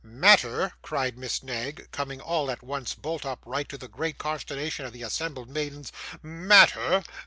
'Matter!' cried Miss Knag, coming, all at once, bolt upright, to the great consternation of the assembled maidens; 'matter!